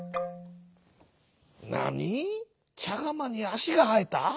「なに？ちゃがまにあしがはえた？